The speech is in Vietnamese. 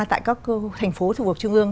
tại các thành phố thủ vực trung ương